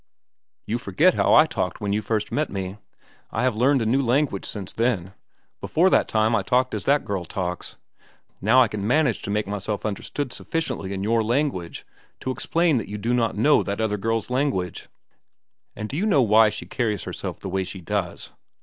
"You forget how I talked when you first met me. I have learned a new language since then. Before that time I talked as that girl talks. Now I can manage to make myself understood sufficiently in your language to explain that you do not know that other girl's language. And do you know why she carries herself the way she does?